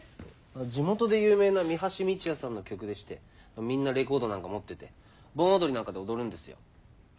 地元で有名な三橋美智也さんの曲でしてみんなレコードなんか持ってて盆踊りなんかで踊るんですよ。